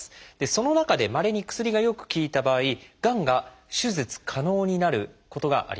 その中でまれに薬がよく効いた場合がんが手術可能になることがあります。